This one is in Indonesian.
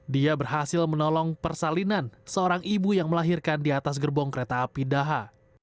dia berhasil menolong persalinan seorang ibu yang melahirkan di atas gerbong kereta api daha